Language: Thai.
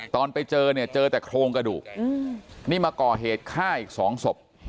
ตอนไปเจอเนี่ยเจอแต่โครงกระดูกนี่มาก่อเหตุฆ่าอีกสองศพ